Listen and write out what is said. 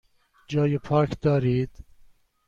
جای پارک دارید؟